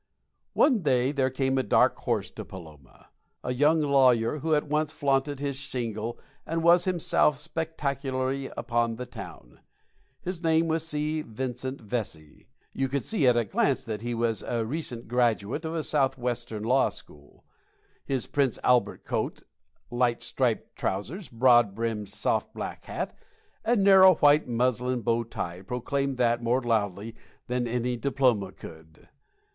One day there came a dark horse to Paloma, a young lawyer who at once flaunted his shingle and himself spectacularly upon the town. His name was C. Vincent Vesey. You could see at a glance that he was a recent graduate of a southwestern law school. His Prince Albert coat, light striped trousers, broad brimmed soft black hat, and narrow white muslin bow tie proclaimed that more loudly than any diploma could.